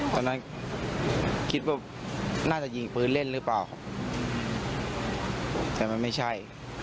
ตอนนั้นคิดว่าน่าจะยิงปืนเล่นหรือเปล่าครับแต่มันไม่ใช่